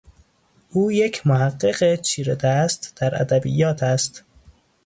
او یک محقق چیرهدست در ادبیات است